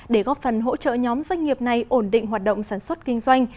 để góp phần hỗ trợ nhóm doanh nghiệp này ổn định hoạt động sản xuất kinh doanh